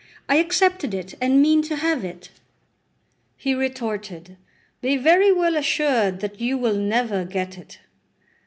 I accepted it, and mean to have it." He retorted: "Be very well assured that you will never get it."